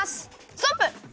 ストップ！